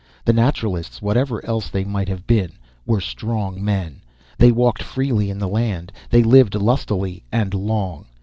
The Naturalists, whatever else they might have been, were strong men. They walked freely in the land, they lived lustily and long.